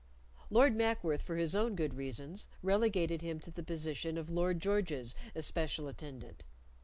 Lord Mackworth, for his own good reasons, relegated him to the position of Lord George's especial attendant.